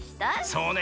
そうね